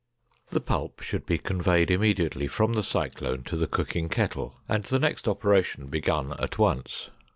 The pulp should be conveyed immediately from the cyclone to the cooking kettle, and the next operation begun at once.